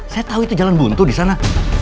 saya tau itu jalan buntu disana